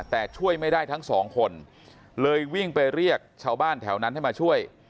แต่ช่วยไม่ได้ทั้งสองคนเลยวิ่งไปเรียกชาวบ้านแถวนั้นให้มาช่วย